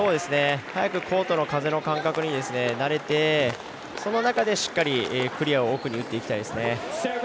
早くコートの風の感覚に慣れて、その中でしっかりクリアを奥に打っていきたいですね。